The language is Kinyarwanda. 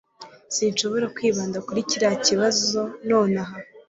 Sinshobora kwibanda kuri kiriya kibazo nonaha